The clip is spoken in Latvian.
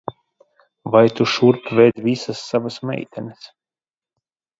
Vai tu šurp ved visas savas meitenes?